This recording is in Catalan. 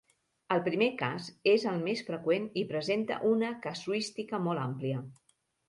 El primer cas és el més freqüent i presenta una casuística molt àmplia.